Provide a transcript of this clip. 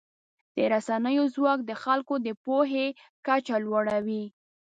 د رسنیو ځواک د خلکو د پوهې کچه لوړوي.